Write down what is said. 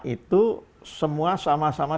itu semua sama sama